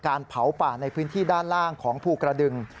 เผาป่าในพื้นที่ด้านล่างของภูกระดึง